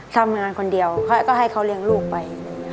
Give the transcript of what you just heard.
ทำงานคนเดียวเขาก็ให้เขาเลี้ยงลูกไป